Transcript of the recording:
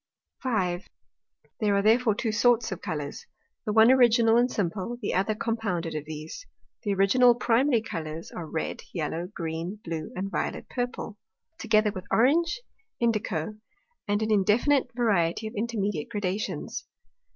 5. There are therefore two sorts of Colours. The one Original and Simple, the other compounded of these. The Original or Primary Colours are, Red, Yellow, Green, Blue, and a Violet purple, together with Orange, Indico, and an indefinite variety of intermediate Gradations.